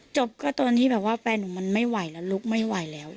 จบก็ตอนที่แบบว่าแฟนหนูมันไม่ไหวแล้วลุกไม่ไหวแล้ว